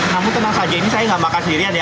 namun tenang saja ini saya nggak makan sendirian ya